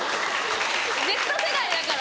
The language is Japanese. Ｚ世代だから。